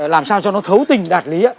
làm sao cho nó thấu tình đạt lý